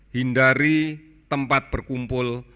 hindari tempat berkumpul